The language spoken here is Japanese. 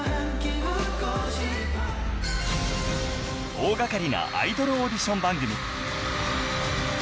大掛かりなアイドルオーディション番組